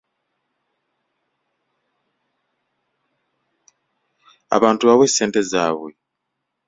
Abantu bawe ssente zaabwe.